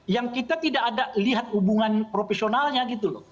yang kita tidak ada lihat hubungan profesionalnya gitu loh